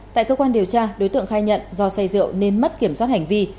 tại cơ quan điều tra đối tượng khai nhận do say rượu nên mất kiểm soát hành vi